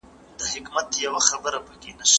خدمات هم بايد پراختيا ومومي.